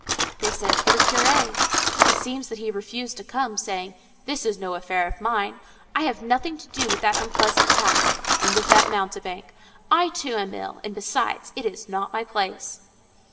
They sent for the curé. It seems that he refused to come, saying, "That is no affair of mine. I have nothing to do with that unpleasant task, and with that mountebank: I, too, am ill; and besides, it is not my place."